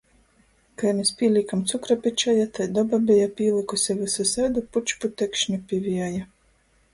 Kai mes pīlīkam cukra pi čaja, tai doba beja pīlykuse vysvysaidu pučputekšņu pi vieja.